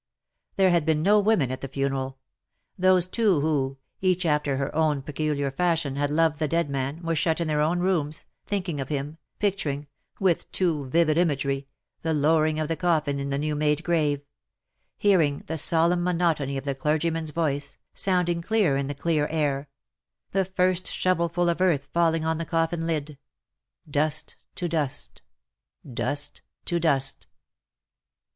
There had been no women at the funeral. Those two who, each after her own peculiar fashion, had loved the dead man, were shut in their own rooms, thinking of him, picturing, with too vivid imagery, the lowering of the coffin in the new made grave — hearing the solemn monotony of the clergyman^s voice, sounding clear in the clear air — the first shovelful of earth falling on the coffin lid — dust to dust ; dust to dust.